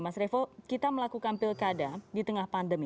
mas revo kita melakukan pilkada di tengah pandemi